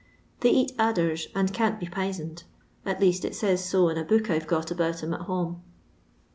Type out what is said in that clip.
They eat adders, and can't be p'isoned, at least it says to in a book I We got about 'em at home.